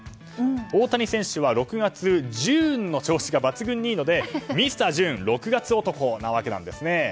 大谷選手は６月、ジューンの調子が抜群にいいのでミスタージューン６月男なわけなんですね。